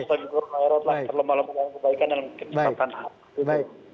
terlalu banyak yang dibaikan dalam kecepatan